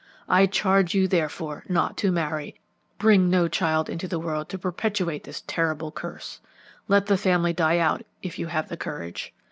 I charge you, therefore, not to marry bring no child into the world to perpetuate this terrible curse. Let the family die out if you have the courage.